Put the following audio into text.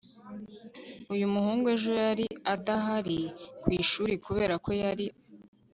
uyu muhungu ejo yari adahari ku ishuri kubera ko yari arwaye